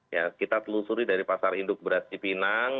ya kita telusuri dari pasar induk beras di pinang